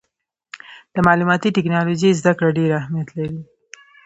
د معلوماتي ټکنالوجۍ زدهکړه ډېر اهمیت لري.